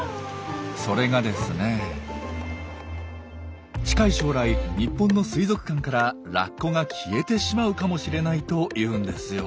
それがですね近い将来日本の水族館からラッコが消えてしまうかもしれないというんですよ。